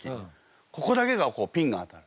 ここだけがこうピンが当たる。